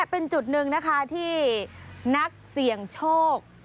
เป็นจุดหนึ่งนะคะที่นักเสี่ยงโชค